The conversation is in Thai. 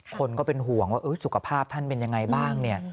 คนก็เป็นห่วงว่าสุขภาพท่านเป็นยังไงบ้างเนี่ย